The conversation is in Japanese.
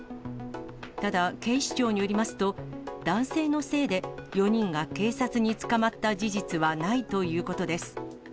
ただ、警視庁によりますと、男性のせいで４人が警察に捕まった事実はないということです。